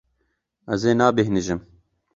Ez ê nebêhnijim.